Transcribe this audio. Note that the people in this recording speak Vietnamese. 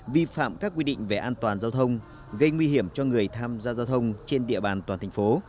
vi phạm các quy định về an toàn giao thông gây nguy hiểm cho người tham gia giao thông trên địa bàn toàn thành phố